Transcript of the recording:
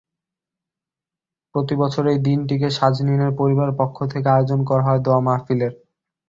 প্রতিবছর এই দিনটিতে শাজনীনের পরিবারের পক্ষ থেকে আয়োজন করা হয় দোয়া মাহফিলের।